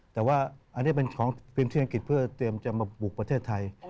แต่ว่าอันนี้เป็นของพื้นที่อังกฤษเพื่อเตรียมจะมาบุกประเทศไทย